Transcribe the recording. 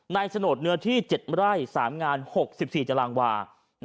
ในสนดเนื้อที่๗ไร่๓งาน๖๔จลางวา